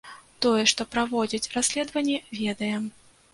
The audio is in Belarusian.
Тое, што праводзяць расследаванне, ведаем.